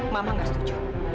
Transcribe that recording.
mama gak setuju